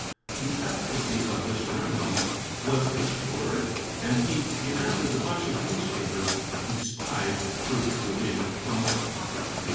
The efficacy of this remedy was assured. And he demanded the bunch of newspapers he spied protruding from my pocket.